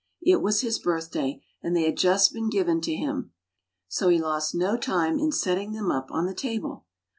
" It was his birthday and they had just been given to him; so he lost no time in setting them up on the table.